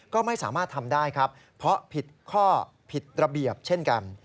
ก็ไม่สามารถทำได้ครับเพราะผิดข้อผิดระเบียบเช่นกัน